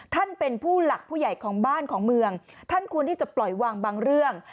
ท่านเป็นผู้หลักผู้ใหญ่ของบ้านของเมืองท่านควรที่จะปล่อยวางบางเรื่อง